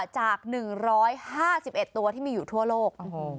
จาก๑๕๑ตัวที่มีอยู่ทั่วโลก